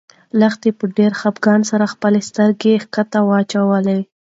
لښتې په ډېر خپګان سره خپلې سترګې ښکته واچولې.